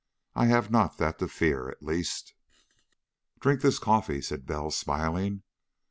I have not that to fear, at least." "Drink this coffee," said Bell, smiling.